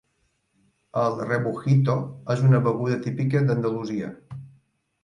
El "rebujito" és una beguda típica d'Andalusia.